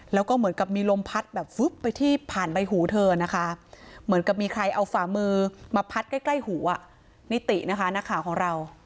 แล้วก็เหมือนกับมีลมพัดแบบฟึ๊บไปที่ผ่านใบหูเธอนะคะเหมือนกับมีใครเอาฝ่ามือมาพัดใกล้ใกล้หูนิตินะคะนักข่าวของเรา